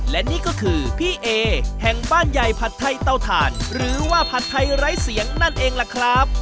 และนี่ก็คือพี่เอแห่งบ้านใหญ่ผัดไทยเตาถ่านหรือว่าผัดไทยไร้เสียงนั่นเองล่ะครับ